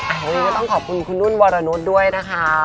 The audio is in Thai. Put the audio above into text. วันนี้ก็ต้องขอบคุณคุณนุ่นวรนุษย์ด้วยนะคะ